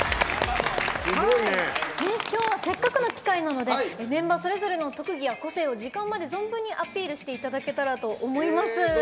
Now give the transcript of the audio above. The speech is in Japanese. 今日はせっかくの機会なのでメンバーそれぞれの特技や個性を時間まで存分にアピールしていただけたらと思います。